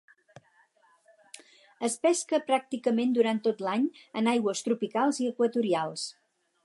Es pesca pràcticament durant tot l'any en aigües tropicals i equatorials.